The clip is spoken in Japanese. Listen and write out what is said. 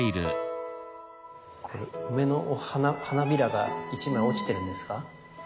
梅の花びらが一枚落ちてるんですか？